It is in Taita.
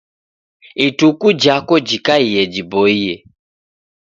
Ituku jako jikaie jiboiye